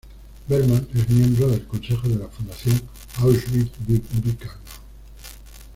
Bergman es miembro del consejo de la Fundación Auschwitz-Birkenau.